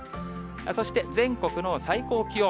そして全国の最高気温。